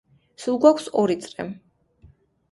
სულ გვაქვს ორი წრე.